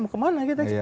mau kemana kita ekspor